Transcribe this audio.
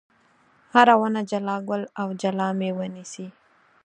هره ونه جلا ګل او جلا مېوه نیسي.